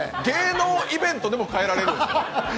芸能イベントでも変えられるよ。